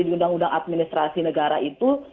diundang undang administrasi negara itu